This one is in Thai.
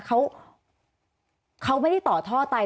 เขาไม่ได้ต่อท่อไต